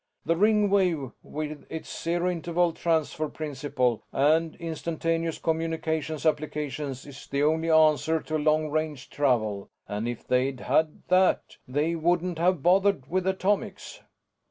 The Ringwave with its Zero Interval Transfer principle and instantaneous communications applications is the only answer to long range travel, and if they'd had that they wouldn't have bothered with atomics."